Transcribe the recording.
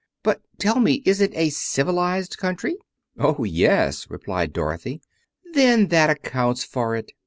But tell me, is it a civilized country?" "Oh, yes," replied Dorothy. "Then that accounts for it.